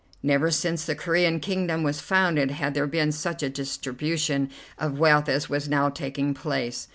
Never since the Corean kingdom was founded had there been such a distribution of wealth as was now taking place.